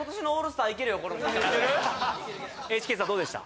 これＨｋさんどうでした？